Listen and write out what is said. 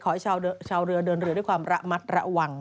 ให้ชาวเรือเดินเรือด้วยความระมัดระวัง